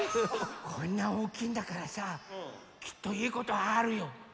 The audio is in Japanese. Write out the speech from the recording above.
こんなおおきいんだからさきっといいことあるよ！